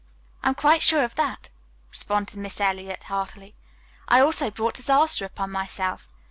"I am quite sure of that," responded Miss Eliot heartily. "I also brought disaster upon myself."